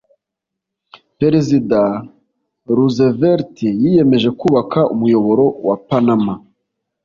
perezida roosevelt yiyemeje kubaka umuyoboro wa panama